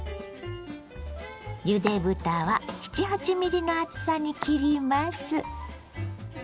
ゆで豚は７８ｍｍの厚さに切ります。